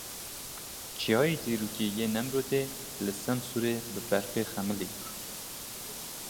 Çiyayê dîrokî yê Nemrûdê li Semsûrê bi berfê xemilî.